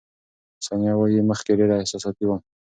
ثانیه وايي، مخکې ډېره احساساتي وم.